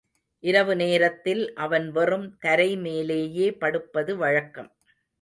இரவு நேரத்தில் அவன் வெறும் தரை மேலேயே படுப்பது வழக்கம்.